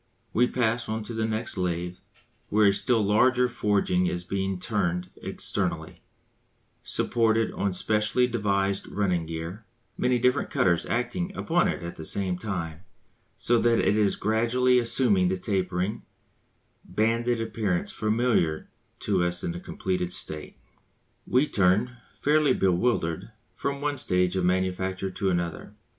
We pass on to the next lathe where a still larger forging is being turned externally, supported on specially devised running gear, many different cutters acting upon it at the same time, so that it is gradually assuming the tapering, banded appearance familiar to us in the completed state. We turn, fairly bewildered, from one stage of manufacture to another.